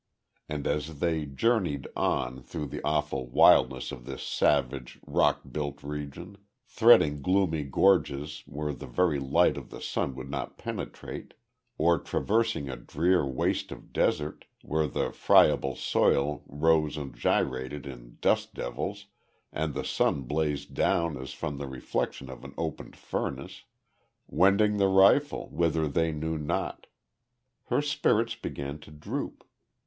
And as they journeyed on, through the awful wildness of this savage, rock built region; threading gloomy gorges where the very light of the sun would not penetrate, or traversing a drear waste of desert where the friable soil rose and gyrated in "dust devils" and the sun blazed down as from the reflection of an opened furnace; wending the while, whither they knew not her spirits began to droop.